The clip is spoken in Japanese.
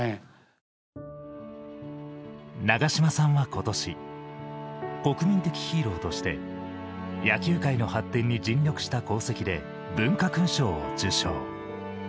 長嶋さんは今年、国民的ヒーローとして野球界の発展に尽力した功績で文化勲章を受章。